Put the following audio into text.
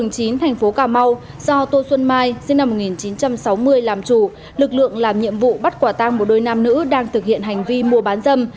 do tô xuân mai sinh năm một nghìn chín trăm sáu mươi làm chủ lực lượng làm nhiệm vụ bắt quả tang một đôi nam nữ đang thực hiện hành vi mua bán dâm